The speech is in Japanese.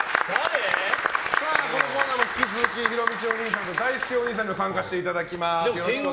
このコーナーも引き続きひろみちおにいさんとだいすけおにいさんにも参加していただきます。